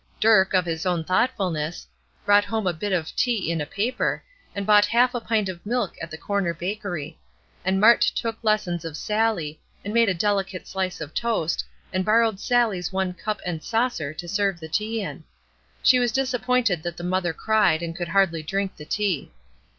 Dirk, of his own thoughtfulness, brought home a bit of tea in a paper, and bought half a pint of milk at the corner bakery; and Mart took lessons of Sallie, and made a delicate slice of toast, and borrowed Sallie's one cup and saucer to serve the tea in. She was disappointed that the mother cried, and could hardly drink the tea.